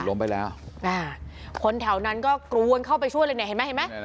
ล้มไปแล้วคนแถวนั้นก็กรวนเข้าไปช่วยเลยเนี่ยเห็นไหมเห็นไหม